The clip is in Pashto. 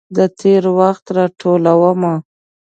د تیروخت راټولومه